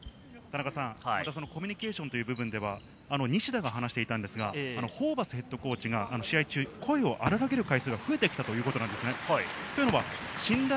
コミュニケーションという部分では西田が話していたんですが、ホーバスＨＣが試合中、声を荒げる回数が増えてきたということです。